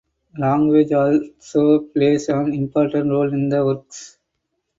Language also plays an important role in the works.